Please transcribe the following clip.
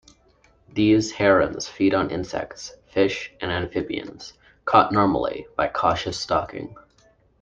These herons feed on insects, fish and amphibians, caught normally by cautious stalking.